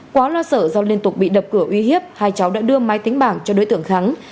quá lo sợ do liên tục bị đập cửa uy hiếp hai cháu đã đưa máy tính bảng cho đối tượng thắng